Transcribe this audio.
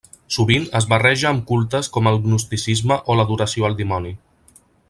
Sovint es barreja amb cultes com el gnosticisme o l'adoració al dimoni.